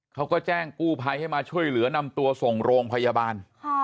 เขาก็แจ้งกู้ภัยให้มาช่วยเหลือนำตัวส่งโรงพยาบาล